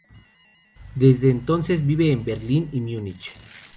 Desde entonces vive en Berlín y Múnich.